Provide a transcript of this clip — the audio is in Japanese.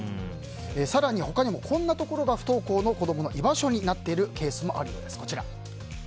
更に他にもこんなところが不登校の子供の居場所になっているケースもあるそうです。